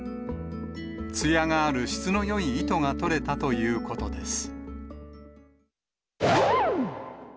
つやがある質のよい糸がとれたということです。